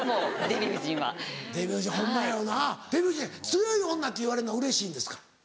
強い女って言われるのはうれしいんですか？